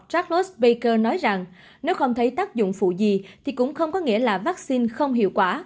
charlos ba nói rằng nếu không thấy tác dụng phụ gì thì cũng không có nghĩa là vaccine không hiệu quả